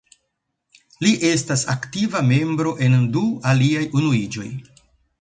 Li estas aktiva membro en du aliaj unuiĝoj.